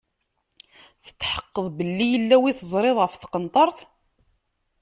Tetḥeqqeḍ belli yella win i teẓriḍ ɣef tqenṭert?